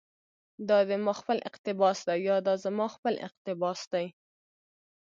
دا دي ما خپل اقتباس ده، يا دا زما خپل اقتباس دى